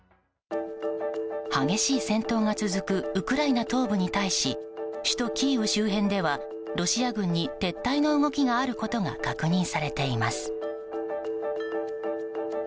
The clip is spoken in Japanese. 激しい戦闘が続くウクライナ東部に対し首都キーウ周辺ではロシア軍に撤退の動きがあることが確認されています。